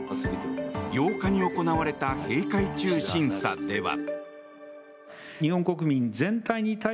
８日に行われた閉会中審査では。